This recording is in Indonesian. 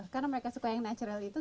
karena mereka suka yang natural itu